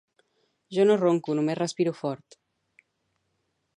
Jo no ronco només respiro fort